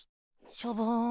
ショボン。